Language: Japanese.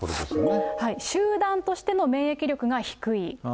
集団としての免疫力が低い。